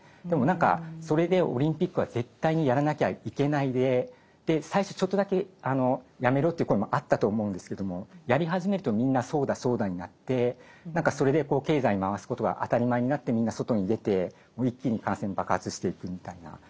でも何かそれでオリンピックは絶対にやらなきゃいけないで最初ちょっとだけやめろという声もあったと思うんですけどもやり始めるとみんなそうだそうだになって何かそれでこう経済回すことが当たり前になってみんな外に出て一気に感染爆発していくみたいな。